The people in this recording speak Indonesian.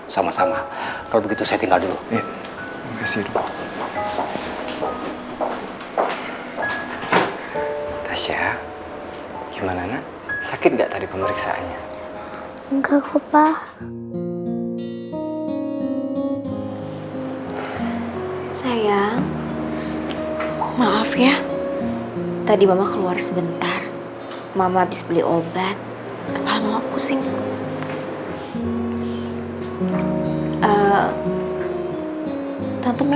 sampai jumpa di video selanjutnya